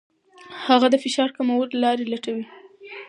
هغه د فشار کمولو لارې لټوي.